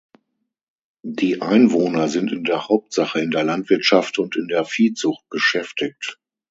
Die Einwohner sind in der Hauptsache in der Landwirtschaft und in der Viehzucht beschäftigt.